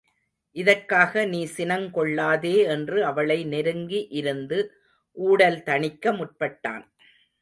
இதற்காக நீ சினங் கொள்ளாதே என்று அவளை நெருங்கி இருந்து ஊடல் தணிக்க முற்பட்டான்.